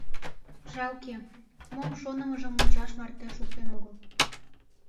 Жалке, мом шонымыжым мучаш марте шуктен огыл...